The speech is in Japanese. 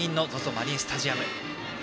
マリンスタジアム。